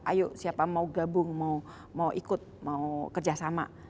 ayo siapa mau gabung mau ikut mau kerjasama